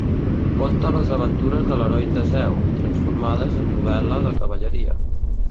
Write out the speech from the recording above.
Conta les aventures de l'heroi Teseu transformades en novel·la de cavalleria.